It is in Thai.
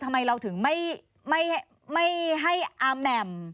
ทำไมเราถึงไม่ให้อาแหม่ม